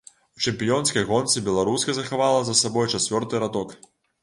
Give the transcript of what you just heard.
У чэмпіёнскай гонцы беларуска захавала за сабой чацвёрты радок.